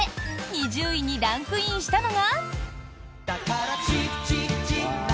２０位にランクインしたのが。